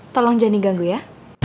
tolong jangan diganggu ya